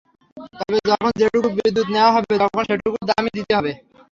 তবে যখন যেটুকু বিদ্যুৎ নেওয়া হবে, তখন সেটুকুর দামই দিতে হবে।